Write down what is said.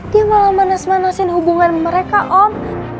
dia malah manas manasin hubungan mereka om